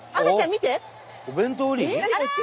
見て！